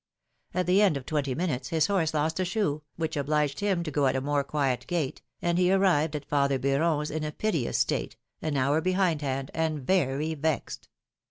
At the end of twenty minutes his horse lost a shoe, which obliged him to go at a more quiet gait, and he arrived at father Beuron's in a piteous state, an hour behindhand and very vexed.